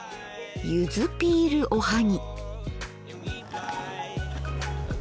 ゆずピールおはぎ。